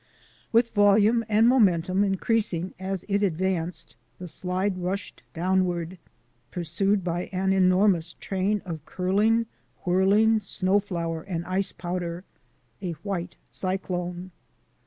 With volume and momentum increasing as it ad 114 THE WHITE CYCLONE 115 vanced, the slide rushed downward, pursued by an enormous train of curling, whirling, snow flour and ice powder — a white cyclone.